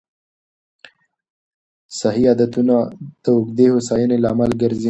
صحي عادتونه د اوږدې هوساینې لامل ګرځي.